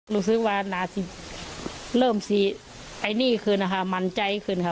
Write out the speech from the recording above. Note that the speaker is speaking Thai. รู้สึกว่านาทีเริ่มสีไอ้นี่คืนนะคะมั่นใจขึ้นค่ะ